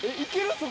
そこ。